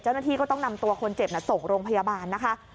เจ้าหน้าที่ก็ต้องนำตัวคนเจ็บส่งโรงพยาบาลนะคะ